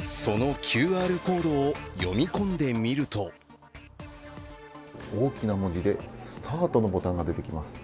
そのＱＲコードを読み込んでみると大きな文字でスタートのボタンが出てきます。